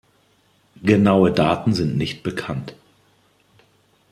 Genaue Daten sind nicht bekannt.